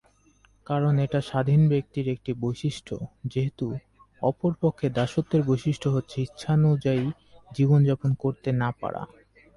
কারণ এটা স্বাধীন ব্যক্তির একটি বৈশিষ্ট্য, যেহেতু, অপর পক্ষে দাসত্বের বৈশিষ্ট্য হচ্ছে ইচ্ছানুযায়ী জীবন যাপন করতে না পারা।